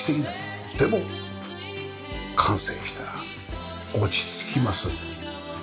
でも完成したら落ち着きます。